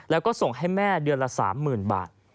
แล้วก็ส่งให้แม่เดือนละ๓๐๐๐บาท